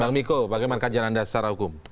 bang miko bagaimana kajian anda secara hukum